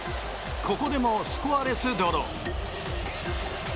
ここでもスコアレスドロー。